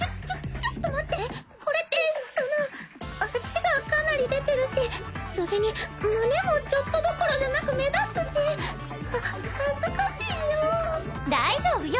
ちょっと待ってこれってその脚がかなり出てるしそれに胸もちょっとどころじゃなく目立つしは恥ずかしいよ大丈夫よ